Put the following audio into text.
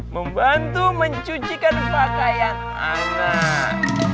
membantu mencucikan pakaian anak